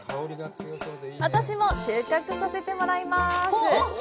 私も収穫させてもらいます。